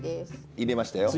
入れましたよ。